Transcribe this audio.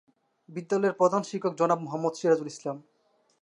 বিদ্যালয়ের প্রধান শিক্ষক জনাব মোহাম্মদ সিরাজুল ইসলাম।